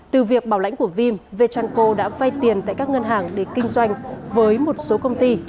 từ việc bảo lãnh của vim vechalco đã vay tiền tại các ngân hàng để kinh doanh với một số công ty